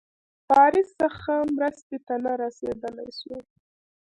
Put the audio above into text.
پاریس څخه مرستي ته نه رسېدلای سوای.